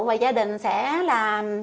và gia đình sẽ là